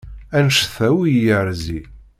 Anect-a ur iyi-yerzi.